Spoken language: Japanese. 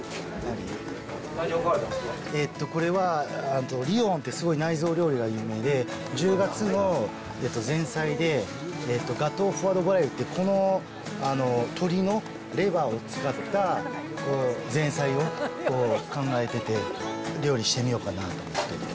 えっと、これはリヨンってすごい内臓料理が有名で、１０月の前菜でガトー・フォア・ド・ヴォライユってこの鶏のレバーを使った前菜を考えていて、料理してみようかなと。